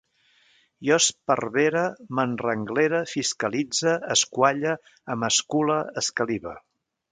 Jo esparvere, m'enrenglere, fiscalitze, esqualle, emascule, escalive